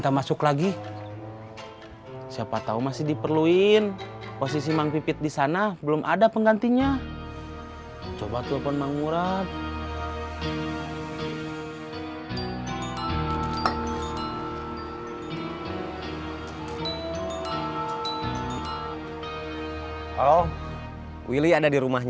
kalau saya mending seperti barusan